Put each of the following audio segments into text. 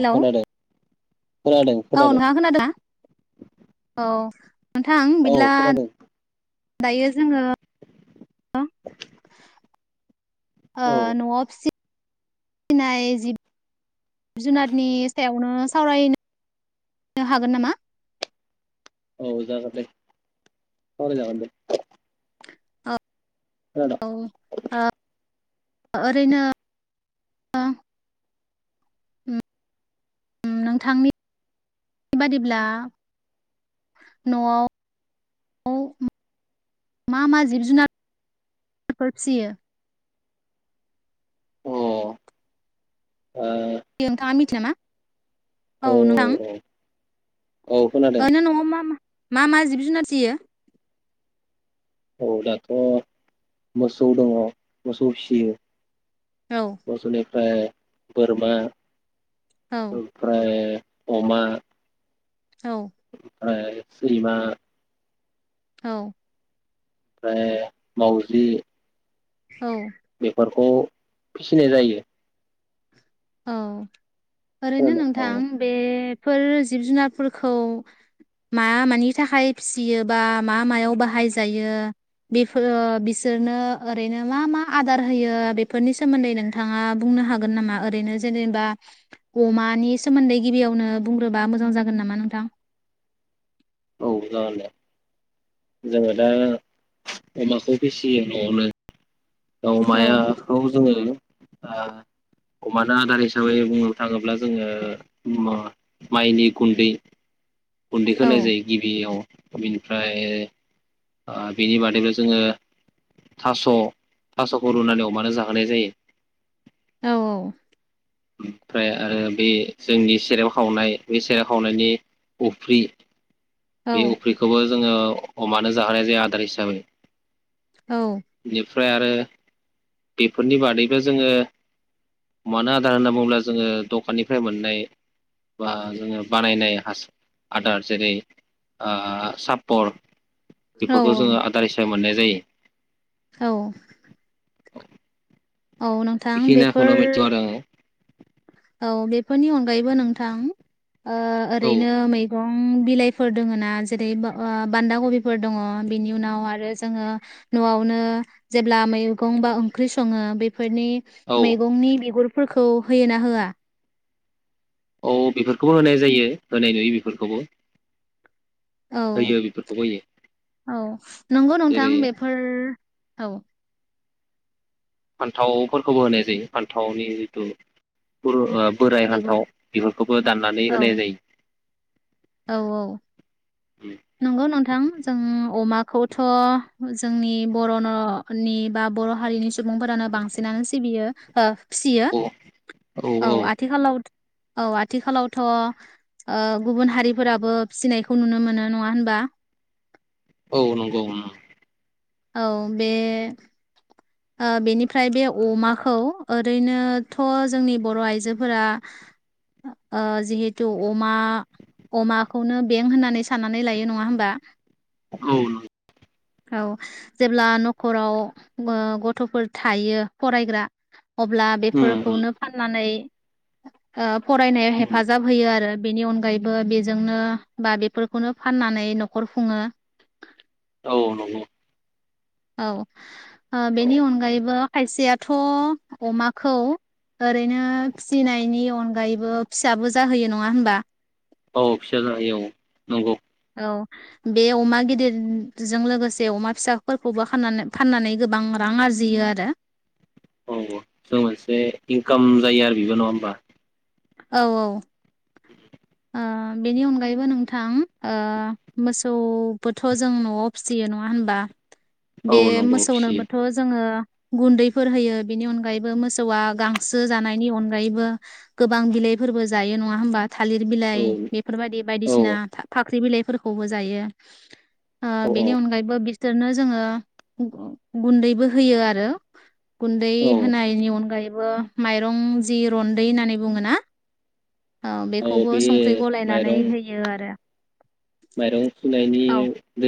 Hello खोनादो। औ नोंथाङा खोनादों ना औ नोंथां औ बिदिला खोनादों ओ औ न'आव फिसि सिनाय जिब जुनादनि सायावनो सावरायनो नोहागोन नामा? औ जागोन दे सावराय जागोन दे। औ खोनादों औ ओ ओरैनो ओ उम नोंथांनि बादिब्ला न'आव मा मा जिब जुनाद फोर फियो अ ओ औ थियो नोंथांङा मिन नामा? औ नोंथां औ खोनादों ओ नो न'आव मा मा मा मा जिब जुनार जियो? औ दाथ' मोसौ दङ मोसौ फियो औ मोसौ एनि फाय बोरमा औ ओमफ्राय अमा औ ओमफाय सैमा औ ओमफ्राय मावजि औ खौ फिनाय जायो औ ओरैनो औ नोंथां बे बेफोर जिब जुनारफोरखौ मा मानि थाखाय फिसियो बा मा मायाव बाहायजायो बेफो ओ बिसोरनो ओरैनो मा मा आदार होयो बेफोरनि सोमोन्दै नोंथाङा बुंनो हागोन नामा? ओरैनो जेनेबा अमानि सोमोन्दै गिबियावनो बुंग्रोबा मोजां जागोन नामा नोंथां? औ जागोन दे जोङो दा अमाखौ फिसियो न'आवनो औ अमायाखौ जोङो ओ अमानो आदार हिसाबै बुंनो थाङोब्ला जोङो म माइनि गुन्दै गुन्दैखो औ होनाय जायो गिबियाव बिनिफ्राय ओ बेनि बादैबो जोङो थास' थास'खौ रुनानै अमानो जाहोनाय जायो औ औ ओमफ्राय आरो बे जोंनि सेराब खावनाय बै सेराव खावनायनि अफ्रि औ बे अफ्रिखौबो जोङो अमानो जाहोनाय जाया आदार हिसाबै बेनिफ्राय आरो बेफोरनि बादैबो जोङो मानो आदार होनना बुङोब्ला जोङो द'खाननिफ्राय मोननाय बा जोङो बानायनाय हास आदार जेरै ओह सापर औ बेफोरखौ जोङो आदार हिसाबै मोननाय जायो औ औ नोंथां बेखिनिखौनो बेफोर मिथिगौ आरो औ बेफोरनि अनगायैबो नोंथां ओ आङो ओरैनो मै गं बिलाइफोर दोङो ना जेरै ब ओह बान्दा कबिफोर दङ बिनि उनाव आरो जोङो नआवनो जेब्ला मैगं बा ओंख्रि सङो बे फोरनि औ मैगंनि बिगुर फोरखौ होयोना होआ [inaudible] औ बेफोरखौबो होनाय जायो होनाय जायो बेफोरखौबो औ होयो बेफोरखौबो होयो औ नंगौ नोंथां जेरै बेफोर औ फान्थावफोरखौबो होनाय जायो फान्थावनि जिथु ओ बोराय बिगुर हान्थाव बेफोरखौबो दाननानै होनाय औ जायो औ औ नंगौ नोंथां जों अमा खौथ' जोंनि बर' न' नि बा बर' हारिनि सु बुंफोरानो बांसिनानो सिबियो ओ फियो औ औ आथिखालाव औ आथिखालावथ गुबुन हारि फोराबो फिसिनायखौ नुनो मोनो नङा होनबा औ नंगौ ओम औ बे बेनिफ्राय बे अमाखौ ओरैनोथ जोंनि बर' आइजोफोरा जिहेथु अमा अमाखौनो बें होननानै साननानै लायो नङा होमबा औ नंगौ औ जेब्ला न'खराव ओ गथ'फोर थायो फरायग्रा अब्ला बेफोरखौनो फाननानै ओ फरायनायाव हेफाजाब होयो आरो बेनि अनगायैबो बेजोंनो बा बेफोरखौनो फाननानै न'खर खुङो। औ नंगौ औ औ बेनि अनगायैबो खायसेयाथ' अमाखौ ओरैनो फिनायनि अनगायैबो फिसाबो जाहोयो नङा होनबा औ फिसा जायो औ नंगौ औ बे अमा गिदिरजों लोगोसे अमा फिसाफोरखौबोनानै खानानै फाननानै गोबां रां आरजियो आरो औ-औ जों मोनसे इनकाम जायो आरो बेबो नङा होमबा औ औ ओ बेनि अनगायैबो नोंथां ओ मोसौबोथ जों नआव फिसियो नङा होनबा? औ बे नंगौ मोसौनोबोथ फिसियो जोङो गुन्दैफोर होयो बिनि अनगायैबो मोसौआ गांसो जानायनि अनगायैबो गोबां बिलाइफोरबो जायो नङा होमबा थालिर बिलाइ बेफोरबायदि औ बायदिसिना था फाख्रि बिलाइ फोरखौबो जायो। ओ औ बेनि अनगायैबो बि बिसोरनो जोङो गु-गुन्दैबो होयो आरो गन्दै औ औ होनायनि अनगायैब [unintelligible] माइरं जि रन्दै होननानै बुङो ना? औ बे गलायनानै माइरं होयो आरो माइरं सुनायनि औ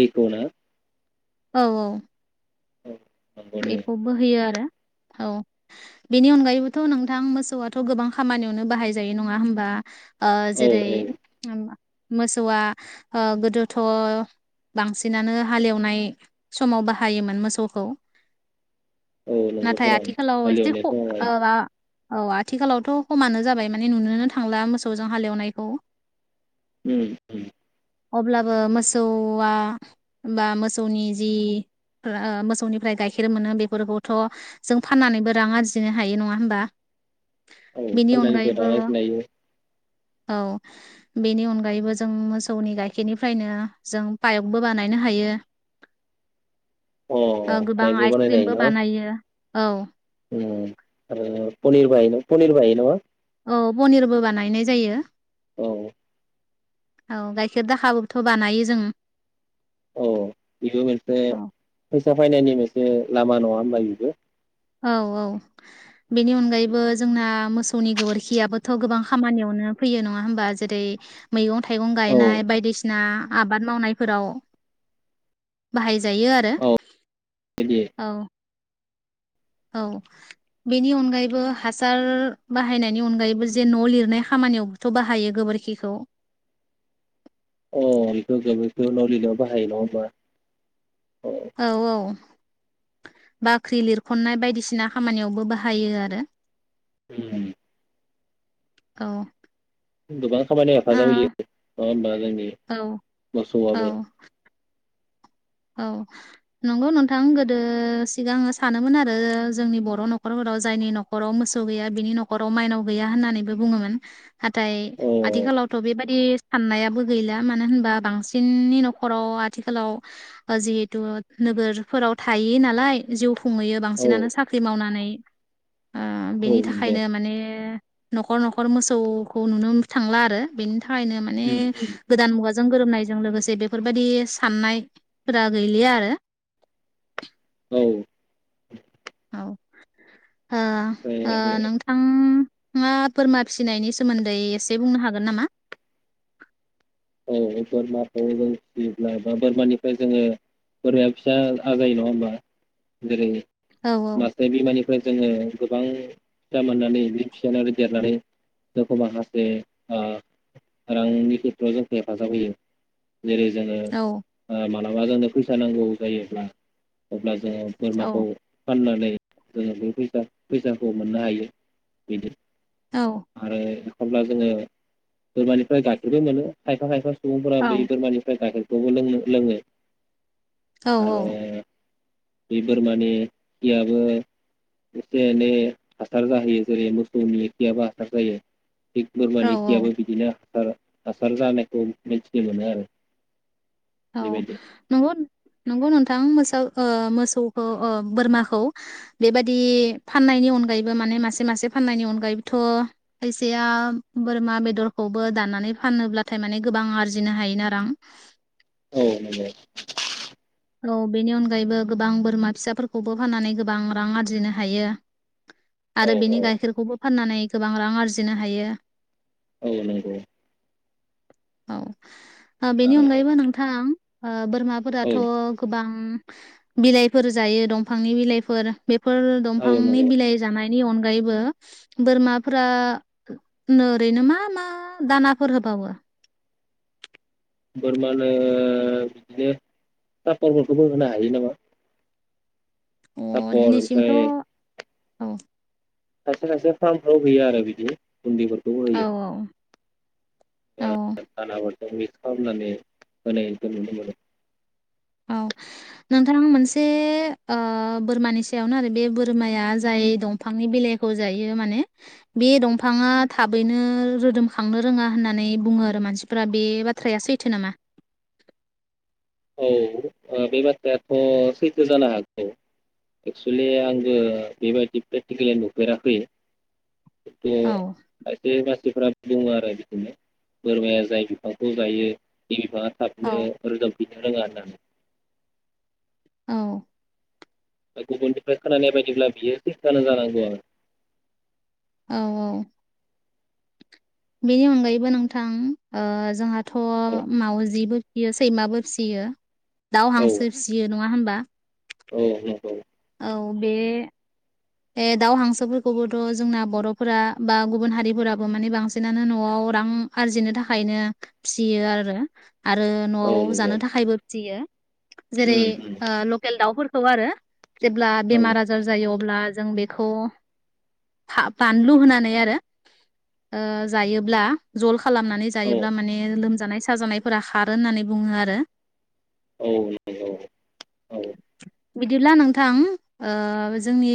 दैखौ ना? औ औ औ नंगौ दे। बेखौबो होयो आरो औ बेनि अनगायैबोथ नोंथां मोसौआथ गोबां खामानियावनो बाहाय जायो नङा होनबा? ओ औ जेरै मोसौआ गोदोथ बांसिनानो हालेवनाय समाव बाहायोमोन मोसौखौ औ नंगौथ' नाथाय र' आथिखालाव एसे हालेवनाय ख समावहाय ओ मा औ आथिखालावथ खमानो जाबाय माने नुनोनो थांला मोसौजों हालेवनायखौ उम उम अब्लाबो मोसौवा बा मोसौनि जि ओ ओ मोसौनि जि फ्राय गाइखेर मोनो बेफोरखौथ जों फाननानैबो रां आरजिनो हायो नङा होनबा औ [unintelligible] औ बेनि अनगायैबो जों मोसौनि गाइखेरनिफ्रायनो जों पायकबो बानायनो हायो। अ ओ गोबां पाइकबो बानायायनाय आइसक्रिमबो न बानायो औ ओ आरो पनिर बाे न पनिर बो हायो नङा औ पनिरबो बानायनाय जायो औ औ गाइखेर दाखाबोथ बानायो जों औ बेबो मोनसे औ फैसा फायनायनि मोनसे लामा नङा होनबा बिबो औ औ बेनि अनगायैबो जोंना मोसौनि गोबोरखियाबोथ गोबां खामानियावनो फैयो नङा होमबा जेरै मैगं थाइगं औ गायनाय बायदिसि ना आबाद मावनायफोराव बाहाय जायो आरो औ बिदि औ औ बेनि अनगायैबो हासार बाहायनायनि अनगायैबो जे न' लिरनाय खामानियावबोथ बाहायो गोबोरखिखौ अ बेखौ गोबोरखिखौ नलिनायाव बाहायो नङा होमबा औ औ बाख्रि लिरखननाय बायदिसिना खामानियावबो बाहायो आरो। उम औ गोबां खामानिया हेफाजाब होयो नङा होमबा जोंनि ओ औ मोसौआबो औ नंगौ नोंथां गोदो सिगाङो सानोमोन आरो जोंनि बर' न'खरफोराव जायनि न'खराव मोसौ गैया बिनि न'खराव माइनाव गैया होननानैबो बुङोमोन। नाथाय औ आथिखालावथ बेबादि साननायाबो गैला मानो होनबा बांसिननि न'खराव आथिखालाव जिहेतु नोगोरफोराव थायो नालाय जिउ खुंहैयो औ बांसिनानो साख्रि मावनानै इ ओ औ बेनि नंगौ थाखायनो माने न'खर न'खर मोसौखौ नुनो थांला आरो बेनि थाखायनो माने उम गोदान मुगा जों गोरोबनायजों लोगोसे बेफोरबायदि साननाय फोरा गैलिया आरो उम औ औ ओ ओ आरो नोंथांआ बोरमा फिसिनायनि सोमोन्दै एसे बुंनो हागोन नामा? औ बोरमाखौ जों फिसियोब्ला बा बोरमानिफ्राय जोङो बोरमाया फिसा आजायो नङा होमबा जेरै औ मासे बिमानिफ्राय जोङो गोबां फिसा मोननानै बि फिनानै देरनानै जोंखौ माखासे ओ रांनि खेथ्रआव जों हेफाजाब होयो। जेरै जोङो औ ओ मालाबा जोंनो फैसा नांगौ। जायो ब्ला अब्ला जोङो बोरमाखौ औ फाननानै जोङो बे फैसा फैसाखौ मोननो हायो बेनो औ आरो अब्ला जोङो बोरमानिफ्राय गाखेरबो मोनो। खायफा खायफा सुबुंफोर बे औ बोरमानिफ्राय गायखेर बो लोंनो लोङो। औ आरो औ बे बोरमानि खियाबो एसे एनै हासार जाहैयो जेरै मोसौनि खियाबो हासार जायो। थिग औ बोरमानि औ खियाबो बिदिनो हा सार जानायखौ मिथि मोनो आरो। औ बेबायदि नंगौ नंगौ नोंथां मोसे ओ मोसौखौ ओ बोरमाखौ बेबादि फाननायनि अनगायैबो माने मासे मासे फाननायनि अनगायैबोथ खायसाया बोरमा बेदरखौबो दाननानै फानोब्लाथाय माने गोबां आरजिनो हायोना रां। औ औ औ बेनि अनगायैबो गोबां बोरमा फिसाफोरखौबो फाननानै गोबां रां आरजिनो हायो। औ आरो औ बेनि गाइखेरखौबो फाननानै गोबां रां आरजिनो हायो। औ नंगौ। औ। बेनि आरो अनगायैबो नोंथां। ओ बोरमाफोर औ थ गोबां बिलाइफोर जायो दंफांनि बिलाइफोर। बेफोर औ दंफांनि नंगौ बिलाइ जानाय नि अनगायैबो बोरमाफ्रा ओरैनो, मा मा दानाफोर होबावो? बोरमानो बिदिनो सापरफोरखौबो होनो हायो नामा। अ सापर दिनैसिमथ औ सायसे खायसे फार्मफ्राव होयो आरो बिदि। गुन्दैफोरखौ होयो औ ओ दानाफोर बे मिकसखालामनानै होनायखौ नुनो मोनो। औ नोंथां मोनसे ओ बोरमानि सायावनो आरो बे बोरमाया जाय दंफांनि बिलाइखौ जायो माने बे दंफाङा थाबैनो रोदोमखांनो रोङा होननानै बुङो आरो मानसिफोरा, बे बाथ्राया सैथो नामा? औ बे बाथ्रायाथ सैथो जानो हागौ एक्सुुलि आंबो बेबायदि प्रेक्टिकेलि नुफेराखै। एसे औ खायसे खायसेफोरा दङ आरो बिदिनो बोरमाया जाय बिफांखौ जायो बि बिफांआ औ थाबनो रोदोम रोङा होननानै औ। गुबुननिफ्राय खोनानाय बायदिब्ला बियो सैथोआनो जानांगो आरो। औ औ। बेनि अनगायैबो नोंथां ओ जोंहा थ आरो मावजिबो सैमाबो फिसियो दाउ औ हांसो फिसियो नङा होमबा? औ नंगौ। औ बे दाउ हांसोफोरखौबोथ जोंना बरफोरा बा गुबुन हारिफोराबो माने बांसिनानो नआव रां आरजिनो थाखायनो फिसियो आरो। आरो नआव औ नंगौ जानो थाखायबो फिसियो। जेरै उम उम ओ लकेल दाउफोर खौ आरो जेब्ला औ बेमार आजार जायो अब्ला अब्ला जों बेखौ फा बानलु होनानै आरो ओ जायोब्ला जल खालामनानै औ जायोब्ला माने लोम जानाय साजानायफोरा खारो होननानै बुङो आरो। औ नंगौ औ बिदिब्ला नोंथां ओ जोंनि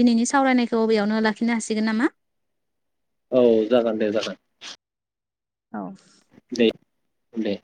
दिनैनि सावरायनायखौ बेेयावनो लाखिनो हासिगोन नामा? औ जागोन दे जागोन। औ दे दे।